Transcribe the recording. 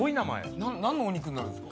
何のお肉になるんですか。